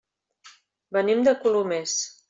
Venim de Colomers.